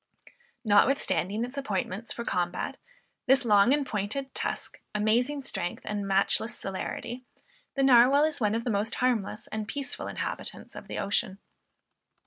Notwithstanding its appointments for combat, this long and pointed tusk, amazing strength, and matchless celerity, the Narwal is one of the most harmless and peaceful inhabitants of the ocean.